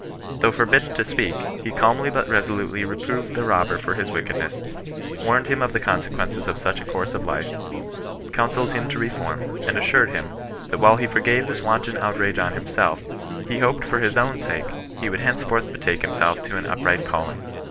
Though forbidden to speak, he calmly but resolutely reproved the robber for his wickedness^ warned him of the consequences of such a course of life, counselled him to reform, and assured him, that while he forgave this wanton outrage on himself, he hoped for his own sake he would henceforth betake himself to an upright calling.